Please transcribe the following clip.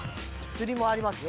釣りもありますよ。